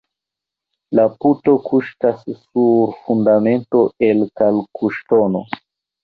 La puto kuŝtas sur fundamento el kalkŝtono.